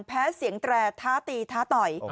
แพ้เสียงแตรท้าตีท้าต่อย